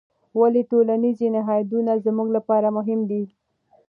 ولې ټولنیز نهادونه زموږ لپاره مهم دي؟